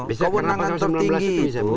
kau menangkan tertinggi itu